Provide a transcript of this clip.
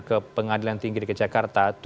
ke pengadilan tinggi dki jakarta